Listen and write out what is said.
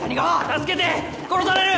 助けて殺される！